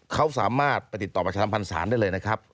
เขาสามารถไปติดต่อประชาสัมพันธ์ศาลได้เลยนะครับ